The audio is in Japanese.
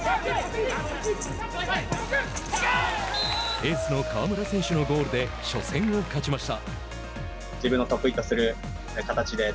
エースの川村選手のゴールで初戦を勝ちました。